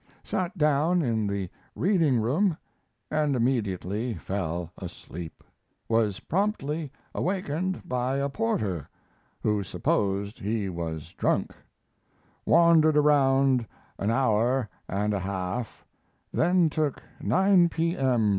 sat down in the reading room and immediately fell asleep; was promptly awakened by a porter, who supposed he was drunk; wandered around an hour and a half; then took 9 P.M.